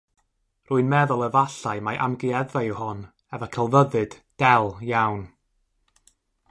Rwy'n meddwl efallai mai amgueddfa yw hon, efo Celfyddyd, Del iawn.